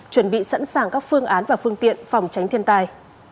chuẩn bị sẵn sàng các phương án và phương tiện phòng tránh thiên tai